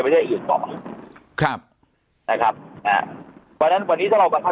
ประเทศอื่นก่อนครับนะครับเอ่อเพราะฉะนั้นวันนี้ถ้าเรามา